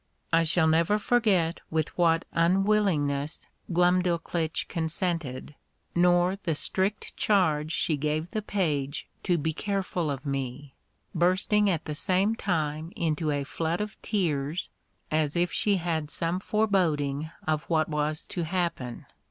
I shall never forget with what unwillingness Glumdalclitch consented, nor the strict charge she gave the page to be careful of me, bursting at the same time into a flood of tears, as if she had some foreboding of what was to happen.